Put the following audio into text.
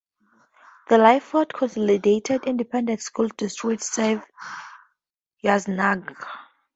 The Lyford Consolidated Independent School District serves Yznaga.